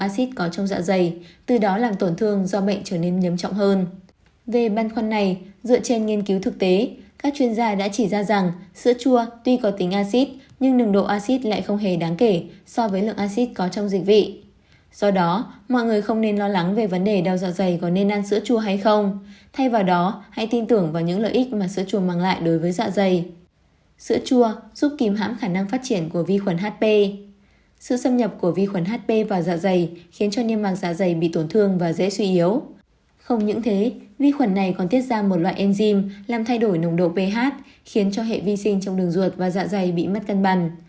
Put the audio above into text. vì thế vi khuẩn này còn tiết ra một loại enzim làm thay đổi nồng độ ph khiến cho hệ vi sinh trong đường ruột và dạ dày bị mất cân bằng